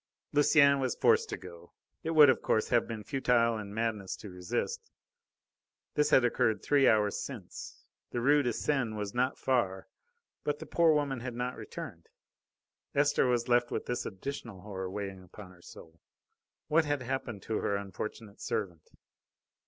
Lucienne was forced to go. It would, of course, have been futile and madness to resist. This had occurred three hours since. The Rue de Seine was not far, but the poor woman had not returned. Esther was left with this additional horror weighing upon her soul. What had happened to her unfortunate servant?